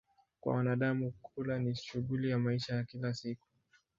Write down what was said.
Kwa wanadamu, kula ni shughuli ya maisha ya kila siku.